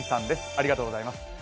ありがとうございます。